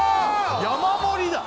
山盛りだ！